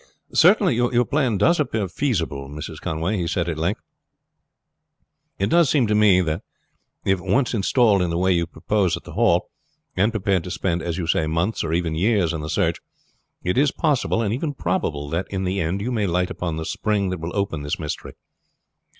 "Certainly your plan does appear feasible, Mrs. Conway," he said at length. "It does seem to me that if once installed in the way you propose at the Hall, and prepared to spend, as you say, months or even years in the search, it is possible and even probable that in the end you may light upon the spring that will open this mystery.